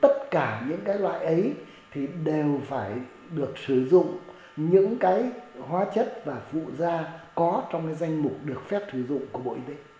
tất cả những loại ấy đều phải được sử dụng những hóa chất và phụ da có trong danh mục được phép sử dụng của bộ y tế